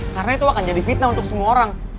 karena itu akan jadi fitnah untuk semua orang